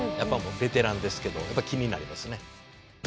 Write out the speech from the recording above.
ベテランですけどやっぱ気になりますね。